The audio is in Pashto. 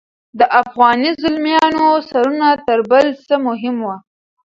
د افغاني زلمیانو سرونه تر بل څه مهم وو.